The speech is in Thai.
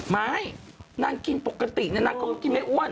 ไม่นางกินปกตินางเขาก็กินไม่อ้วน